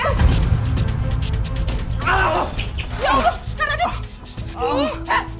ya allah kak radit